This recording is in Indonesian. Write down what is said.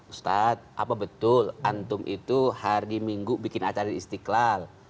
ustadz apa betul antum itu hari minggu bikin acara di istiqlal